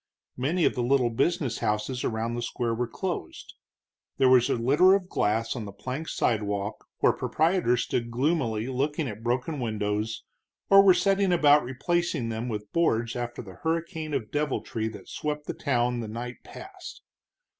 Many of the little business houses around the square were closed. There was a litter of glass on the plank sidewalk, where proprietors stood gloomily looking at broken windows, or were setting about replacing them with boards after the hurricane of deviltry that swept the town the night past.